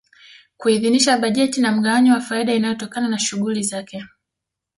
Kuidhinisha bajeti na mgawanyo wa faida inayotokana na shughuli zake